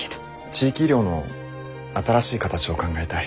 地域医療の新しい形を考えたい。